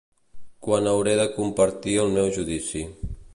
Quan hauré de compartir el meu judici.